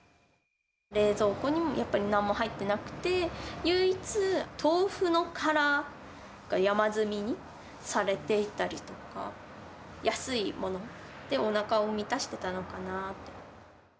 冷蔵庫にもやっぱりなんも入ってなくて、唯一、豆腐のからが山積みにされていたりとか、安いものでおなかを満たしてたのかな。